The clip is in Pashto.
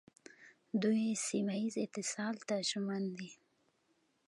دوی سیمه ییز اتصال ته ژمن دي.